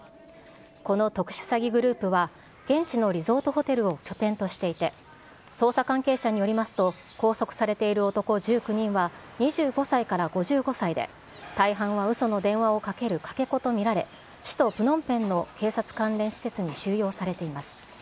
この特殊詐欺グループは、現地のリゾートホテルを拠点としていて、捜査関係者によりますと、拘束されている男１９人は、２５歳から５５歳で、大半はうその電話をかけるかけ子と見られ、首都プノンペンの警察関連施設に収容されています。